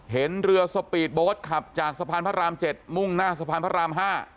เห็นเรือสปีดโบสต์ขับจากสะพานพระราม๗มุ่งหน้าสะพานพระราม๕